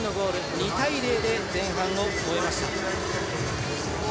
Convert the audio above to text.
２対０で前半を終えました。